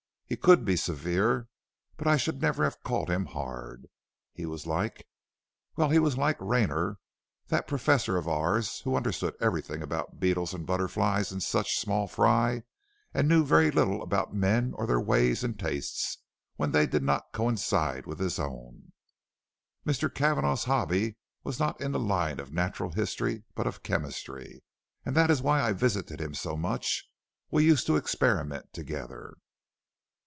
He could be severe, but I should never have called him hard. He was like well he was like Raynor, that professor of ours, who understood everything about beetles and butterflies and such small fry, and knew very little about men or their ways and tastes when they did not coincide with his own. Mr. Cavanagh's hobby was not in the line of natural history, but of chemistry, and that is why I visited him so much; we used to experiment together."